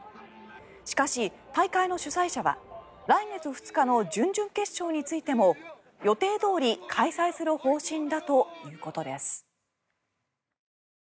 しかし、大会の主催者は来月２日の準々決勝についても予定どおり開催する方針だということです。